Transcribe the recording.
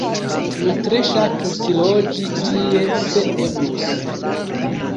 Mi tre ŝatus loĝi tie se eblus